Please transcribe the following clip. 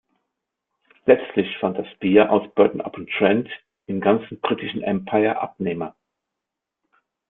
Letztlich fand das Bier aus Burton-upon-Trent im ganzen Britischen Empire Abnehmer.